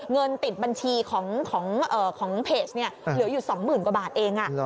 เงินติดบัญชีของเพจเนี่ยเหลืออยู่๒๐๐๐กว่าบาทเอง